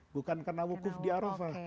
bukan karena wukuf di arafah